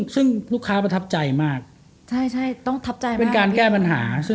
ซึ่งลูกค้าประทับใจมากเป็นการแก้ปัญหา